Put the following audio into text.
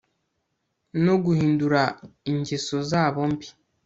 no guhindura ingeso zabo mbi